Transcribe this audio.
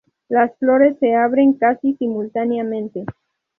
Las flores se abren casi simultáneamente.